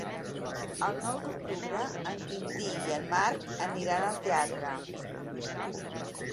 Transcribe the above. El nou d'octubre en Quintí i en Marc aniran al teatre.